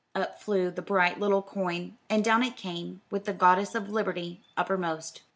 Up flew the bright little coin, and down it came with the goddess of liberty uppermost.